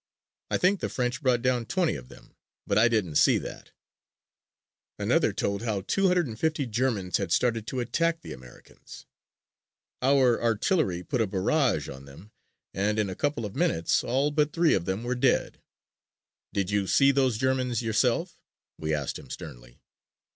I think the French brought down twenty of them, but I didn't see that." Another told how two hundred and fifty Germans had started to attack the Americans. "Our artillery put a barrage on them and in a couple of minutes all but three of them were dead." "Did you see those Germans yourself?" we asked him sternly.